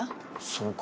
そうか。